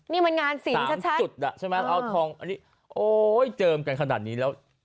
นี่มันงานสีชัดจุดอ่ะใช่ไหมเอาทองอันนี้โอ๊ยเจิมกันขนาดนี้แล้ว